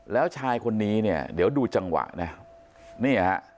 แล้วชายคนนี้เนี่ยเดี๋ยวดูจังหวะนะเนี่ยฮะ